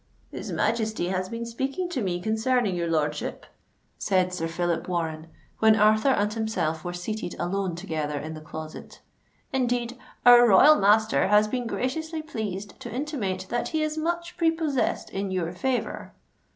"His Majesty has been speaking to me concerning your lordship," said Sir Phillip Warren, when Arthur and himself were seated alone together in the Closet; "indeed, our royal master has been graciously pleased to intimate that he is much prepossessed in your favour."